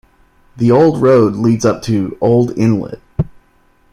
The old road leads up to Old Inlet.